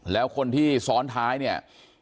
แล้วคนที่ซ้อนท้ายเนี่ย